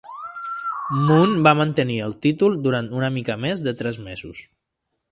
Munn va mantenir el títol durant una mica més de tres mesos.